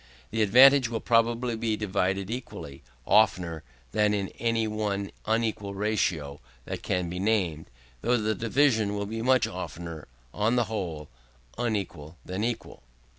The advantage will probably be divided equally, oftener than in any one unequal ratio that can be named; though the division will be much oftener, on the whole, unequal than equal.